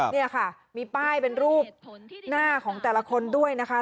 นี่ค่ะมีป้ายเป็นรูปหน้าของแต่ละคนด้วยนะคะ